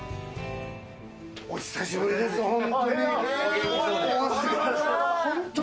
お久しぶりです、本当に。